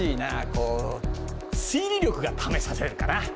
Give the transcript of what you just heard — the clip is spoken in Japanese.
こう推理力が試されるかな。